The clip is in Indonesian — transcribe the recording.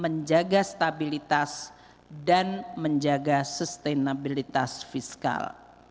menjaga stabilitas dan menjaga sustainabilitas fiskal